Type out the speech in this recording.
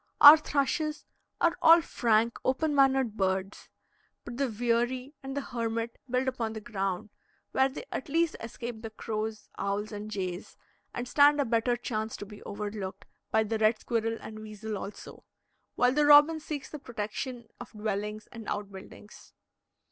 Our thrushes are all frank, open mannered birds; but the veery and the hermit build upon the ground, where they at least escape the crows, owls, and jays, and stand a better chance to be overlooked, by the red squirrel and weasel also; while the robin seeks the protection of dwellings and out buildings.